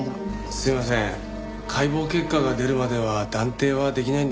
すいません解剖結果が出るまでは断定はできないんですよ。